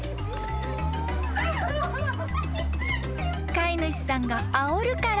［飼い主さんがあおるから］